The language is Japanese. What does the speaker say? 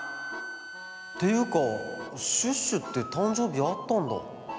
ていうかシュッシュってたんじょうびあったんだ。